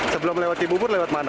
sebelum lewat cibubur lewat mana